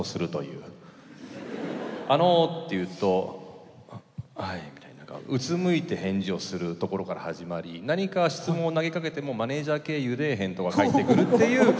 「あの」って言うと「あはい」みたいな何かうつむいて返事をするところから始まり何か質問を投げかけてもマネージャー経由で返答が返ってくるっていう。